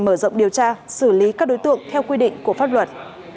mở rộng điều tra xử lý các đối tượng theo quy định của pháp luật